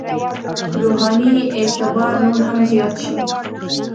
روحاني اعتبار نور هم زیات شي.